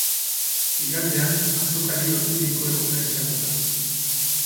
Igandean, azokari loturiko eguna izango da.